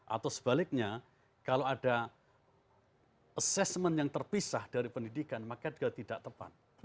atau sebaliknya kalau ada assessment yang terpisah dari pendidikan maka dia tidak tepat